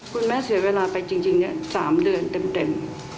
คุณแม่เสียเวลาไปจริงเนี่ย๓เดือนเต็ม